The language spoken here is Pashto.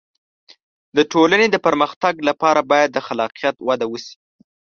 د ټولنې د پرمختګ لپاره باید د خلاقیت وده وشي.